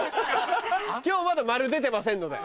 今日まだ「〇」出てませんので。